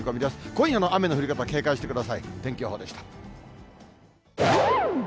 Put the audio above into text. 今夜の雨の降り方、警戒してくだ